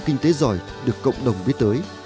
kinh tế giỏi được cộng đồng biết tới